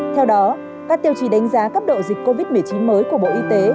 theo đó các tiêu chí đánh giá cấp độ dịch covid một mươi chín mới của bộ y tế